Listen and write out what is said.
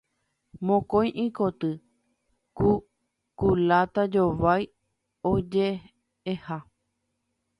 Mokõi ikoty, ku kuláta jovái oje'eha.